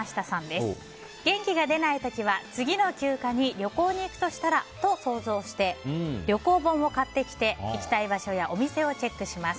元気が出ない時は次の休暇に旅行に行くとしたらと想像して、旅行本を買ってきて行きたい場所やお店をチェックします。